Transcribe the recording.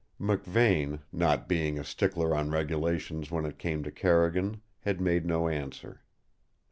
McVane, not being a stickler on regulations when it came to Carrigan, had made no answer.